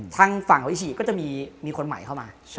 ทางฝั่งของอิ่อชีก็จะมีคนใหม่เข้ามา